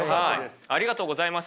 ありがとうございます。